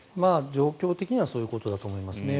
状況的にはそういうことだと思いますね。